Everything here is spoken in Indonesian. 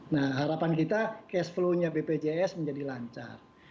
nah harapan kita cash flow nya bpjs menjadi lancar